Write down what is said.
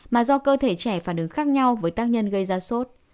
mà do cơ thể trẻ phản ứng khác nhau với tác nhân gây ra sốt